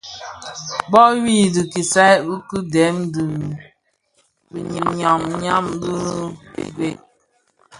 Bô yu dhi kisai ki dèn i biňyam ňyam dhi gëëk.